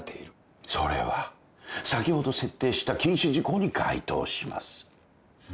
それは先ほど設定した禁止事項に該当します。